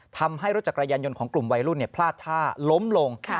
ทำให้รถจักรยานยนต์ของกลุ่มวัยรุ่นพลาดท่าล้มลง